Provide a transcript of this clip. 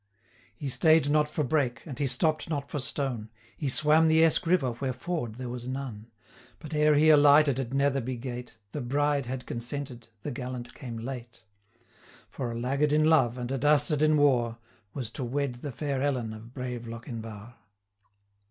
He staid not for brake, and he stopp'd not for stone, He swam the Eske river where ford there was none; 320 But ere he alighted at Netherby gate, The bride had consented, the gallant came late: For a laggard in love, and a dastard in war, Was to wed the fair Ellen of brave Lochinvar.